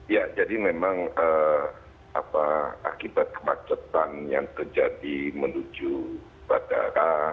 ya jadi memang akibat kemacetan yang terjadi menuju bandara